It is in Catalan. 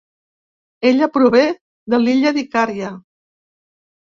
Ella prové de l'illa d'Icària.